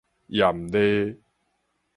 豔麗